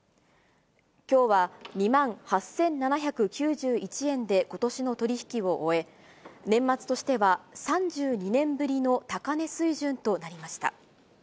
きょうは２万８７９１円でことしの取り引きを終え、年末としては３２年ぶりの高値水準となりました。